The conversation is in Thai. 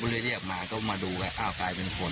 เรียกมาก็มาดูอ้าวกลายเป็นคน